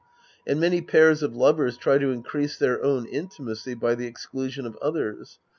And many pairs of lovers try to increase their own intimacy by the exclusion of others.